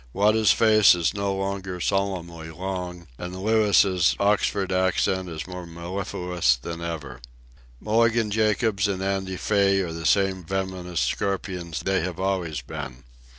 Wada's face is no longer solemnly long, and Louis' Oxford accent is more mellifluous than ever. Mulligan Jacobs and Andy Fay are the same venomous scorpions they have always been.